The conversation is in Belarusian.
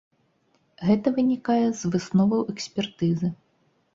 Гэта вынікае з высноваў экспертызы.